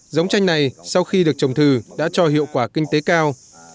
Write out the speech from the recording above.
giống tranh này sau khi được trồng thử đã cho hiệu quả kinh tế cao